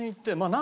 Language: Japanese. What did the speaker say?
何？